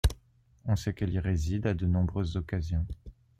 On sait qu'elle y réside à de nombreuses occasions.